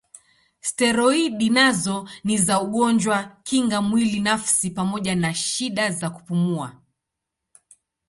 Steroidi nazo ni za ugonjwa kinga mwili nafsi pamoja na shida za kupumua.